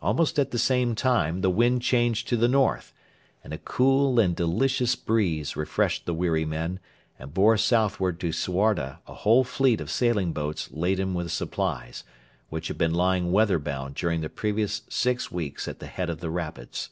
Almost at the same time the wind changed to the north, and a cool and delicious breeze refreshed the weary men and bore southward to Suarda a whole fleet of sailing boats laden with supplies, which had been lying weather bound during the previous six weeks at the head of the rapids.